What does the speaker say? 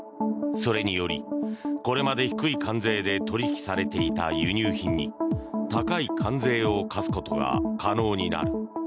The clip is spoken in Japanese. それにより、これまで低い関税で取引されていた輸入品に高い関税を課すことが可能になる。